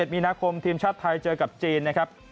๑มีนาคมทีมชาติไทยเจอกับจีนนะครับ